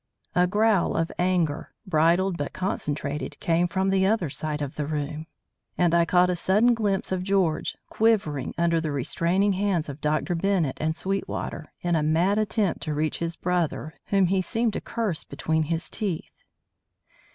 A growl of anger, bridled but concentrated, came from the other side of the room, and I caught a sudden glimpse of George, quivering under the restraining hands of Dr. Bennett and Sweetwater, in a mad attempt to reach his brother, whom he seemed to curse between his teeth.